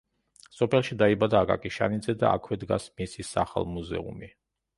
სოფელში დაიბადა აკაკი შანიძე და აქვე დგას მისი სახლ-მუზეუმი.